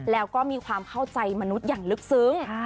แล้วก็มีความเข้าใจมนุษย์อย่างลึกซึ้ง